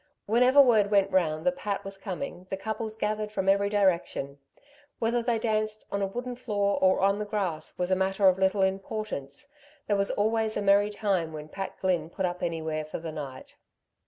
Whenever word went round that Pat was coming the couples gathered from every direction. Whether they danced on a wooden floor or on the grass was a matter of little importance. There was always a merry time when Pat Glynn put up anywhere for the night.